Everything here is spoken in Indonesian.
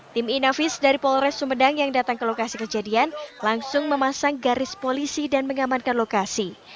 tim inavis dari polres sumedang yang datang ke lokasi kejadian langsung memasang garis polisi dan mengamankan lokasi